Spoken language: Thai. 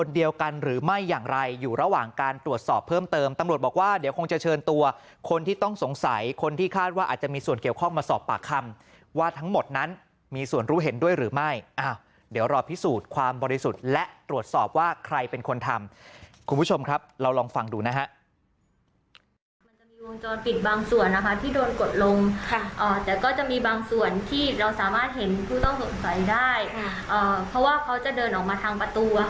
เดียวกันหรือไม่อย่างไรอยู่ระหว่างการตรวจสอบเพิ่มเติมตำรวจบอกว่าเดี๋ยวคงจะเชิญตัวคนที่ต้องสงสัยคนที่คาดว่าอาจจะมีส่วนเกี่ยวข้อมาสอบปากคำว่าทั้งหมดนั้นมีส่วนรู้เห็นด้วยหรือไม่เดี๋ยวเราพิสูจน์ความบริสุทธิ์และตรวจสอบว่าใครเป็นคนทำคุณผู้ชมครับเราลองฟังดูนะครับ